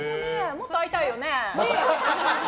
もっと会いたいよね。